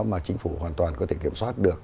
mà chính phủ hoàn toàn có thể kiểm soát được